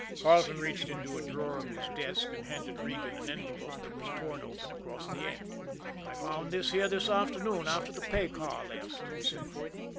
Carleton reached into a drawer of his desk, and handed Regan an envelope that was torn open across the end. "I found this here this afternoon after the paycar left," he said.